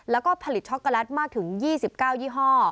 แล้วก็ผลิตช็อกโกแลตมากถึง๒๙ยี่ห้อ